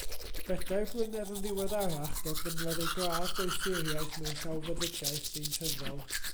Bedair blynedd yn ddiweddarach derbyniodd ei gradd Doethuriaeth mewn Llawfeddygaeth Ddeintyddol.